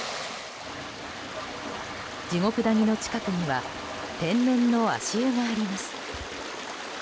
地獄谷の近くには天然の足湯があります。